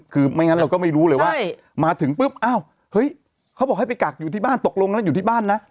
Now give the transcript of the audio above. คือไม่งั้นเราก็ไม่รู้เลยว่ามาถึงปุ๊บไปกักอยู่ที่บ้านตกลงแล้วอยู่ที่บ้านนะ